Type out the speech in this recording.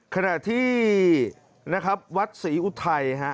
ขณะที่วัดศรีอุทัย